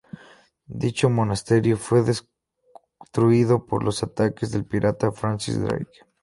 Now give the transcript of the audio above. Dicho monasterio fue destruido por los ataques del pirata Francis Drake.